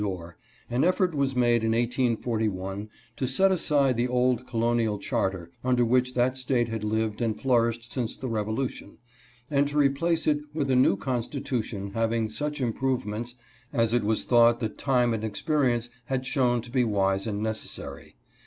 Dorr, an effort was made in 1841 to set aside the old colonial charter, under which that State had lived and flourished since the Revolution, and to replace it with a new constitution having such improvements as it was thought that time and experience had shown to be wise and necessary.